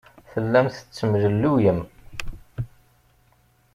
Tellam tettemlelluyem.